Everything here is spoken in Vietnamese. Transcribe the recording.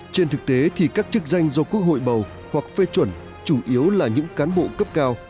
trên thực tế thì các chức danh do quốc hội bầu hoặc phê chuẩn chủ yếu là những cán bộ cấp cao